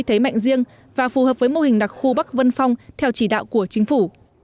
thế mạnh riêng và phù hợp với mô hình đặc khu bắc vân phong theo chỉ đạo của chính phủ